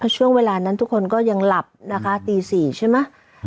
ช่วงเวลานั้นทุกคนก็ยังหลับนะคะตี๔ใช่ไหม